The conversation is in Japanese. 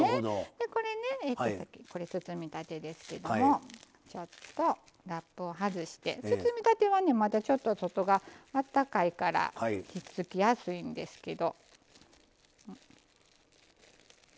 これね、包みたてですけどもちょっと、ラップを外して包みたてはまだ、ちょっと外があったかいから引っ付きやすいんですけど。